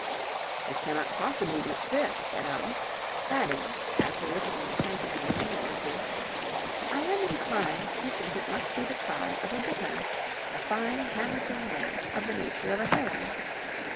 "It cannot possibly be Swift," said I; adding, after listening attentively a minute or two, "I am inclined to think it must be the cry of a bittern, a fine handsome bird of the nature of a heron."